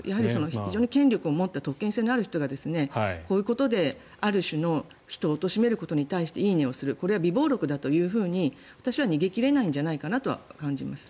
非常に権力を持っている特権性のある人がこういうことである種の人を貶めることに対して「いいね」をするこれは備忘録だと逃げ切れないんじゃないかと私は思います。